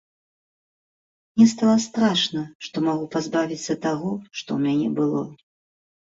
Мне стала страшна, што магу пазбавіцца таго, што ў мяне было.